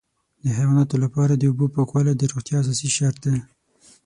د حیواناتو لپاره د اوبو پاکوالی د روغتیا اساسي شرط دی.